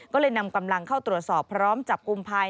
ก็เลยนำกำลังเข้าตรวจสอบพร้อมจับกลุ่มภาย